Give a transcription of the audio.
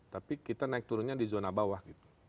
tapi kita naik turunnya di zona bawah gitu